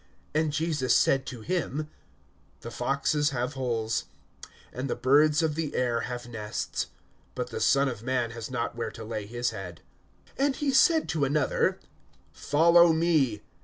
(58)And Jesus said to him: The foxes have holes, and the birds of the air have nests; but the Son of man has not where to lay his head. (59)And he said to another: Follow me.